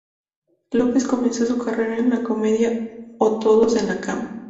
López comenzó su carrera en la comedia "O todos en la cama".